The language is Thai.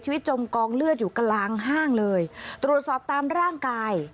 จมกองเลือดอยู่กลางห้างเลยตรวจสอบตามร่างกาย